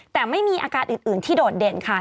แต่ไม่มีอาการอื่นที่โดดเด่นค่ะ